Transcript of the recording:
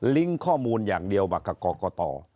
ลิงก์ข้อมูลอย่างเดียวมาจากกกต